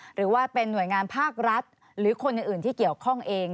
หรือว่าเป็นหน่วยงานภาครัฐหรือคนอื่นที่เกี่ยวข้องเอง